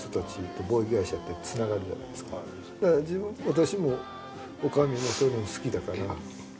私も女将もそういうの好きだから。